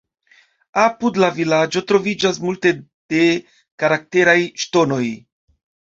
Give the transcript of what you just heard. Apud la vilaĝo troviĝas multe de karakteraj "ŝtonoj".